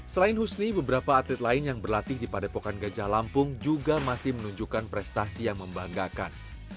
selain husni beberapa atlet lain yang berlatih di padepokan gajah lampung juga masih menunjukkan prestasi yang membanggakan